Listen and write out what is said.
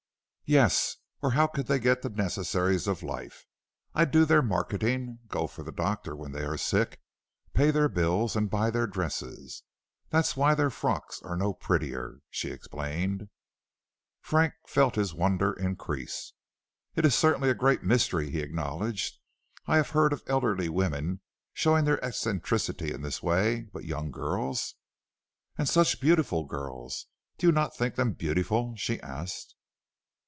"Yes; or how could they get the necessaries of life? I do their marketing, go for the doctor when they are sick, pay their bills, and buy their dresses. That's why their frocks are no prettier," she explained. Frank felt his wonder increase. "It is certainly a great mystery," he acknowledged. "I have heard of elderly women showing their eccentricity in this way, but young girls!" "And such beautiful girls! Do you not think them beautiful?" she asked.